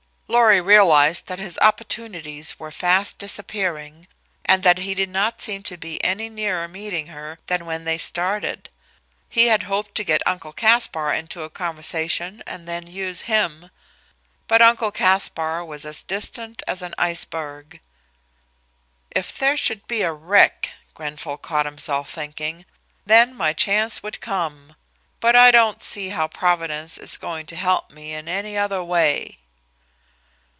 Lorry realized that his opportunities were fast disappearing, and that he did not seem to be any nearer meeting her than when they started. He had hoped to get Uncle Caspar into a conversation and then use him, but Uncle Caspar was as distant as an iceberg. "If there should be a wreck," Grenfall caught himself thinking, "then my chance would come; but I don't see how Providence is going to help me in any other way."